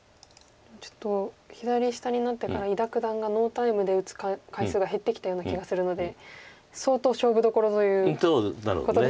ちょっと左下になってから伊田九段がノータイムで打つ回数が減ってきたような気がするので相当勝負どころということですね。